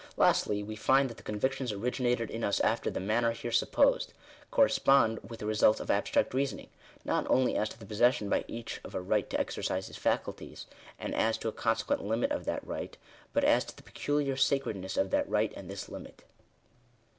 Lastly, we find that the convic tions originated in us after the manner here supposed, corre spond with the results of abstract reasoning, not only as to the possession by each of a right to exercise his faculties, and as to a consequent limit of that right, but as to the peculiar sacred ness of that right and this limit.